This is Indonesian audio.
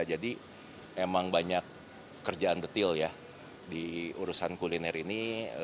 jadi emang banyak kerjaan detail ya di urusan kuliner ini